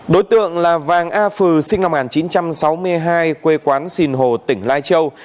đối tượng là vàng a phừ sinh năm một nghìn chín trăm sáu mươi hai quê quán sìn hồ tỉnh lai châu